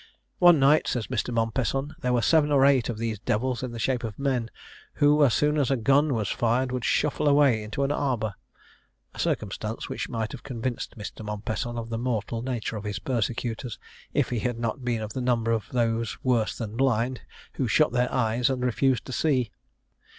"One night," says Mr. Mompesson, "there were seven or eight of these devils in the shape of men, who, as soon as a gun was fired, would shuffle away into an arbour;" a circumstance which might have convinced Mr. Mompesson of the mortal nature of his persecutors, if he had not been of the number of those worse than blind, who shut their eyes, and refuse to see.